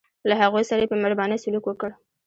له هغوی سره یې په مهربانۍ سلوک وکړ.